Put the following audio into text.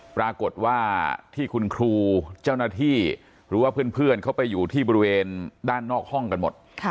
ปรากฏว่าที่คุณครูเจ้าหน้าที่หรือว่าเพื่อนเขาไปอยู่ที่บริเวณด้านนอกห้องกันหมด